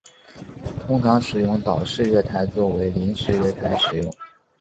通常使用岛式月台作为临时月台使用。